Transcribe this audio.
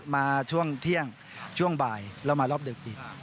มาช่วงเที่ยงช่วงบ่ายแล้วมารอบดึกอีก